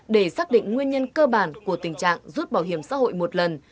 để xác định nguyên nhân cơ bản của tình trạng rút bảo hiểm xã hội một lần